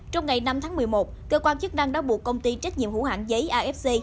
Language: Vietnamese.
trong ngày năm tháng một mươi một cơ quan chức năng đã buộc công ty trách nhiệm hữu hạn giấy afc